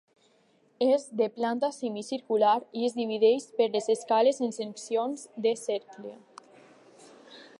És de planta semicircular i es divideix per les escales en seccions de cercle.